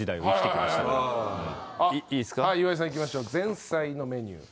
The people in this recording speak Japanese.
前菜のメニュー。